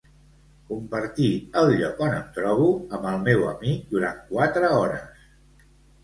Compartir el lloc on em trobo amb el meu amic durant quatre hores.